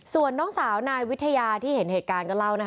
ส่วนน้องสาวนายวิทยาที่เห็นเหตุการณ์ก็เล่า